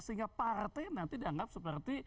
sehingga partai nanti dianggap seperti